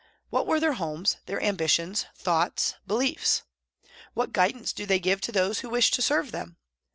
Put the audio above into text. What were their homes, their ambitions, thoughts, beliefs ? What guidance do they give to those who wish to serve them